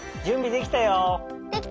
できたよ！